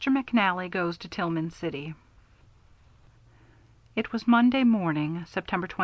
McNALLY GOES TO TILLMAN CITY It was Monday morning, September 23d.